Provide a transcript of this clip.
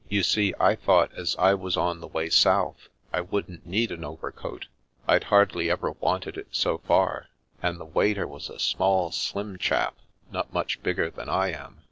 You see, I thought as I was on the way south, I wouldn't need an overcoat. I'd hardly ever wanted it so far, and the waiter was a small, slim chap, not much bigger than I am.